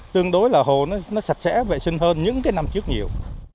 tương đối là hồ nó sạch sẽ vệ sinh hơn những cái năm trước nhiều